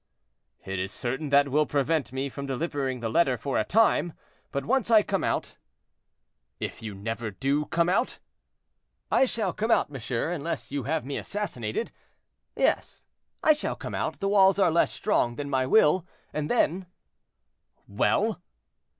"It is certain that will prevent me from delivering the letter for a time, but once I come out—" "If you never do come out?" "I shall come out, monsieur; unless you have me assassinated. Yes, I shall come out, the walls are less strong than my will, and then—" "Well?"